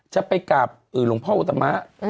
จะไปกราบหลวงพ่ออุตมะ